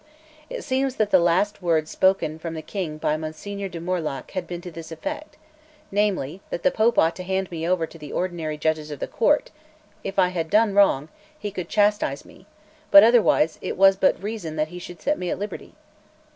It seems that the last words spoken from the King by Monsignor di Morluc had been to this effect, namely, that the Pope ought to hand me over to the ordinary judges of the court; if I had done wrong, he could chastise me; but otherwise, it was but reason that he should set me at liberty.